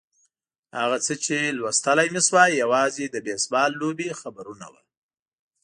هغه څه چې لوستلای مې شوای یوازې د بېسبال لوبې خبرونه وو.